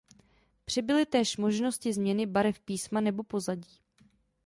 Přibyly též možnosti změny barev písma nebo pozadí.